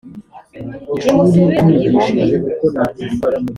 nimusubire mu gihome